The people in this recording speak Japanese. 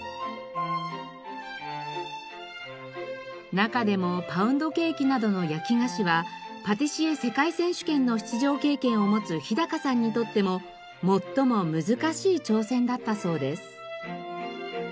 中でもパウンドケーキなどの焼き菓子はパティシエ世界選手権の出場経験を持つ日さんにとっても最も難しい挑戦だったそうです。